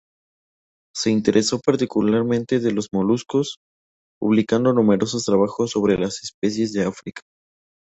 Se interesó particularmente de los moluscos, publicando numerosos trabajos sobre las especies de África.